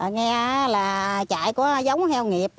nghe là chạy có giống heo nghiệp